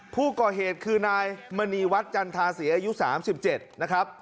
ผู้ก่อเหตุคือนายมณีวัดจันทาศีอายุ๓๗นะครับ